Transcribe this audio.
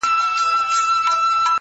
ډيره ژړا لـــږ خـــنــــــــــدا،